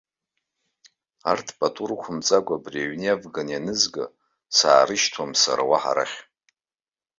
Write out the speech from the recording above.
Арҭ пату рықәымҵакәа абри аҩны иавганы ианызга, саарышьҭуам сара уаҳа арахь!